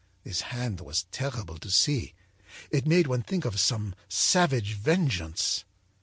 This hand was terrible to see; it made one think of some savage vengeance.